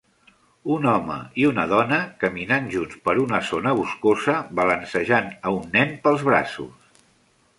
Un home i una dona caminant junts per una zona boscosa balancejant a un nen pels braços.